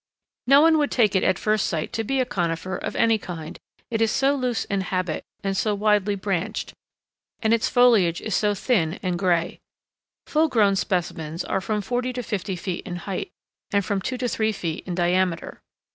No one would take it at first sight to be a conifer of any kind, it is so loose in habit and so widely branched, and its foliage is so thin and gray. Full grown specimens are from forty to fifty feet in height, and from two to three feet in diameter.